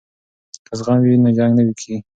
که زغم وي نو جنګ نه کیږي.